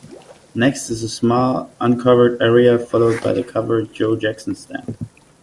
Next is a small uncovered area followed by the covered Joe Jackson stand.